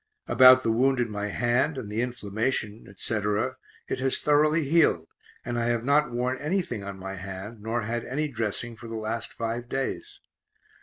About the wound in my hand and the inflammation, etc., it has thoroughly healed, and I have not worn anything on my hand, nor had any dressing for the last five days.